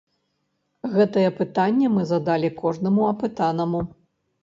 Гэтае пытанне мы задалі кожнаму апытанаму.